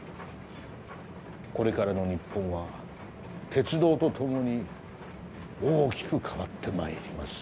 これからの日本は鉄道とともに大きく変わってまいります。